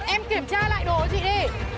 em kiểm tra lại đồ của chị đi